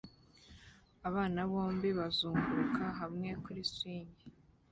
Abana bombi bazunguruka hamwe kuri swing